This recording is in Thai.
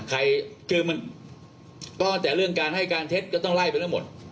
ใครคือมันก็แต่เรื่องการให้การเท็จก็ต้องไล่ไปแล้วหมด